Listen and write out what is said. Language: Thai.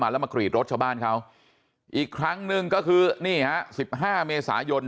แล้วมากรีดรถชาวบ้านเขาอีกครั้งหนึ่งก็คือนี่ฮะ๑๕เมษายน